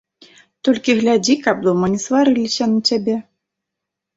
Толькі глядзі, каб дома не сварыліся на цябе.